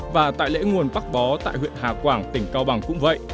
và tại lễ nguồn bắc bó tại huyện hà quảng tỉnh cao bằng cũng vậy